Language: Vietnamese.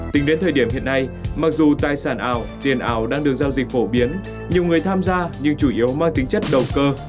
tính đến thời điểm hiện nay mặc dù tài sản ảo tiền ảo đang được giao dịch phổ biến nhiều người tham gia nhưng chủ yếu mang tính chất đầu cơ